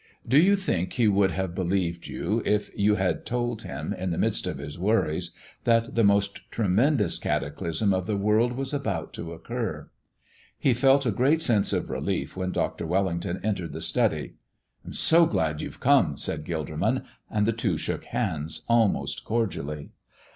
Do you think he would have believed you if you had told him, in the midst of his worries, that the most tremendous cataclysm of the world was about to occur? He felt a great sense of relief when Dr. Wellington entered the study. "I'm so glad you've come," said Gilderman, and the two shook hands almost cordially.